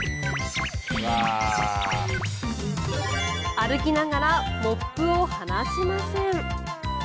歩きながらモップを離しません。